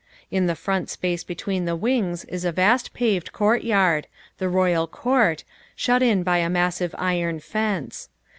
In the front space between the wings is a vast paved court yard the Royal Court shut in by a massive iron fence.